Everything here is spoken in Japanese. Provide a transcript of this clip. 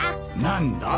何だ？